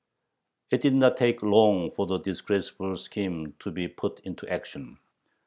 It did not take long for the disgraceful scheme to be put into action.